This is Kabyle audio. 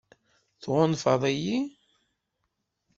Tɣunfaḍ-iyi?